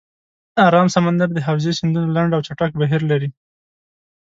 آرام سمندر د حوزې سیندونه لنډ او چټک بهیر لري.